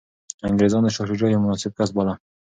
انګریزانو شاه شجاع یو مناسب کس وباله.